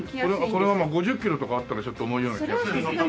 これは５０キロとかあったらちょっと重いような。